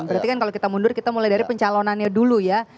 berarti kan kalau kita mundur kita mulai dari pencalonannya dulu ya